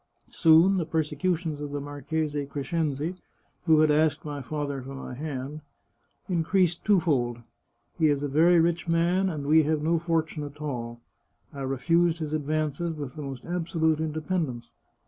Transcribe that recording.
Soon the persecutions of the Marchese Crescenzi, who had asked my father for my hand, increased twofold. He is a very rich man, and we have no fortune at all. I refused his advances with the most absolute inde pendence.